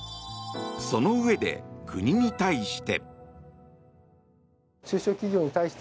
そのうえで、国に対して。